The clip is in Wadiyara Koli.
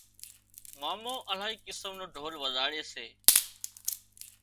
مامو االاهي قسم نو ڍول وزاڙي سي